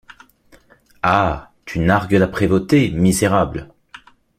Ah! tu nargues la prévôté, misérable !